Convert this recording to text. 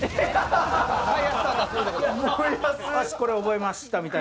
はい、覚えました、みたいな。